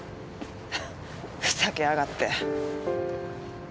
フンふざけやがって。